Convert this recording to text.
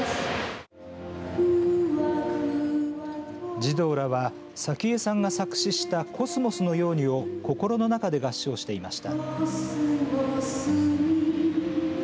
児童らは早紀江さんが作詞したコスモスのようにを心の中で合唱していました。